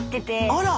あら！